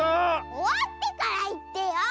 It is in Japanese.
おわってからいってよ！